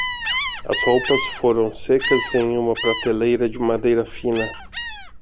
As roupas foram secas em uma prateleira de madeira fina.